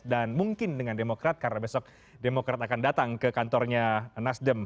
dan mungkin dengan demokrat karena besok demokrat akan datang ke kantornya nasdem